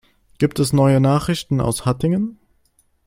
Gibt es neue Nachrichten aus Hattingen?